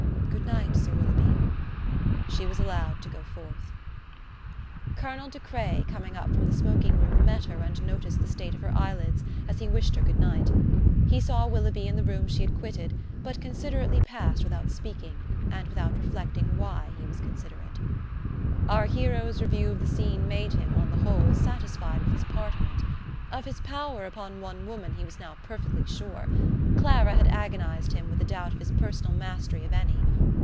"Good night, Sir Willoughby." She was allowed to go forth. Colonel De Craye coming up from the smoking room, met her and noticed the state of her eyelids, as he wished her goodnight. He saw Willoughby in the room she had quitted, but considerately passed without speaking, and without reflecting why he was considerate. Our hero's review of the scene made him, on the whole, satisfied with his part in it. Of his power upon one woman he was now perfectly sure: Clara had agonized him with a doubt of his personal mastery of any.